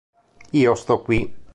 Io sto qui